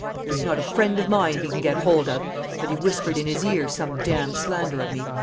There is not a friend of mine he can get hold of, but he whispered in his ear some damned slander of me.